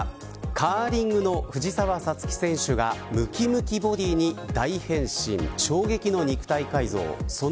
カーリングの藤澤五月選手がムキムキボディーに大変身。